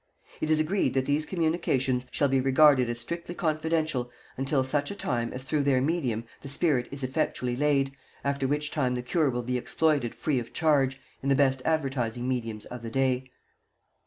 It is agreed that these communications shall be regarded as strictly confidential until such a time as through their medium the spirit is effectually LAID, after which time the cure will be exploited FREE OF CHARGE in the best advertising mediums of the day.